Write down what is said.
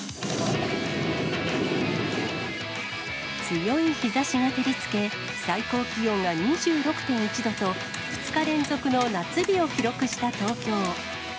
強い日ざしが照りつけ、最高気温が２６．１度と、２日連続の夏日を記録した東京。